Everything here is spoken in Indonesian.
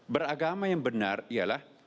beragama yang benar ialah